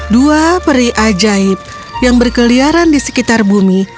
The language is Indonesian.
dua peri ajaib yang berkeliaran di sekitar bumi